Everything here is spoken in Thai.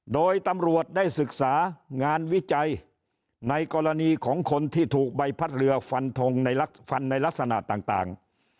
โดยตำรวจได้ศึกษางานวิจัยในกรณีของคนที่ถูกใบพัดเรือฟันทงในฟันในลักษณะต่าง